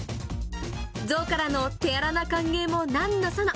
ゾウからの手荒な歓迎もなんのその。